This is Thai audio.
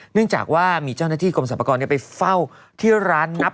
เนื่องจากว่ามีเจ้าหน้าที่กรมสรรพากรไปเฝ้าที่ร้านนับ